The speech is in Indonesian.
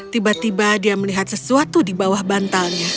tiba tiba dia melihat sesuatu di bawah bantalnya